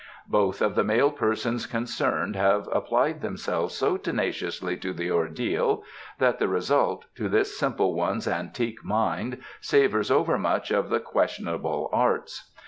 Both of the male persons concerned have applied themselves so tenaciously to the ordeal that the result, to this simple one's antique mind, savours overmuch of the questionable arts.